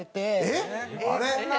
えっ！あれ？